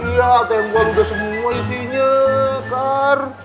iya atm gue udah semua isinya kar